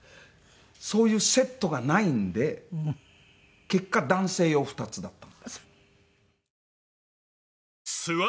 そういうセットがないんで結果男性用２つだったんです。